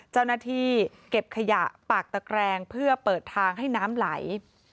เจ้าหน้าที่เก็บขยะปากตะแกรงเพื่อเปิดทางให้น้ำไหล